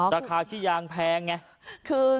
ราคาขี้ยางแพงไง